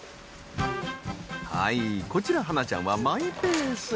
はいこちら芭那ちゃんはマイペース。